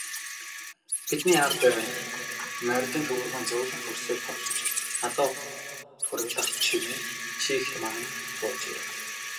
Бидний ард морьдын төвөргөөн зөөлөн хөрсийг товшиж, адуу тургилах чимээ чийгт мананг цуулж ирэв.